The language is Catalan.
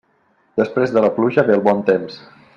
Després de la pluja ve el bon temps.